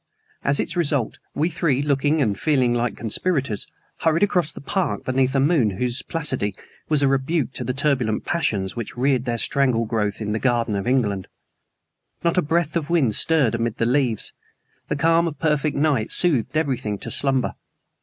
As its result, we three, looking and feeling like conspirators, hurried across the park beneath a moon whose placidity was a rebuke to the turbulent passions which reared their strangle growth in the garden of England. Not a breath of wind stirred amid the leaves. The calm of perfect night soothed everything to slumber.